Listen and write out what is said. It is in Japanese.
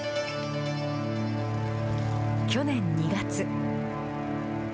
去年２月。